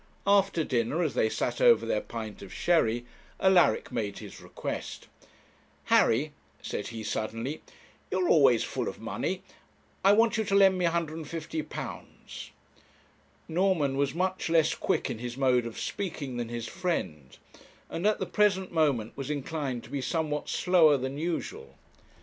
After dinner, as they sat over their pint of sherry, Alaric made his request. 'Harry,' said he, suddenly, 'you are always full of money I want you to lend me £150.' Norman was much less quick in his mode of speaking than his friend, and at the present moment was inclined to be somewhat slower than usual.